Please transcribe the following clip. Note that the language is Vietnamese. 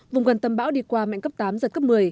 vùng gần tâm bão đi qua mạnh cấp tám giật cấp một mươi